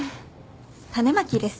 種まきです。